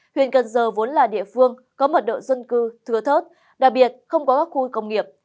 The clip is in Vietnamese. huyện cần giờ vốn là địa phương có mật độ dân cư thừa thớt đặc biệt không có các khu công nghiệp